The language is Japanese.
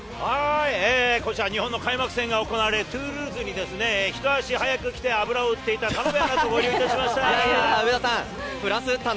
こちら日本の開幕戦が行われるトゥールーズに来て、ひと足早く来て油をうっていた田辺アナと合流しました。